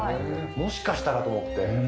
もしかしたら？と思って。